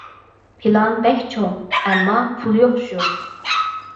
پىلان بەك چوڭ، ئەمما پۇل يوق شۇ.